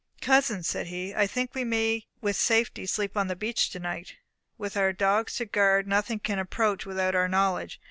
"Cousins," said he, "I think we may with safety sleep on the beach tonight. With our dogs to guard, nothing can approach without our knowledge.